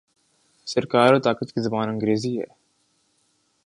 سرکار اور طاقت کی زبان انگریزی ہے۔